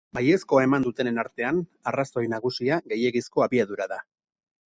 Baiezkoa eman dutenen artean, arrazoi nagusia gehiegizko abiadura da.